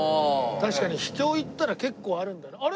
確かに秘境行ったら結構あるんだよな。